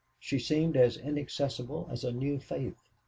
She seemed as inaccessible as a new faith.